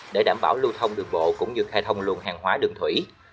để đảm bảo lưu thông đường bộ cũng như khai thông luồng hàng hóa đường thủy